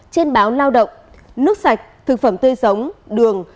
trên báo lao động nước sạch thực phẩm tươi sống đường